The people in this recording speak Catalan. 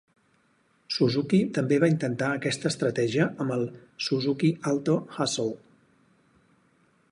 Suzuki també va intentar aquesta estratègia amb el Suzuki Alto Hustle.